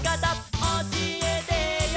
「おしえてよ」